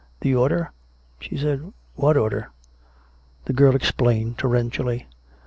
^" The order.'' " she said. " What order .^" The girl explained, torrentially.